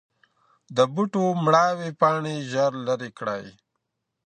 د بوټو مړاوې پاڼې ژر لرې کړئ.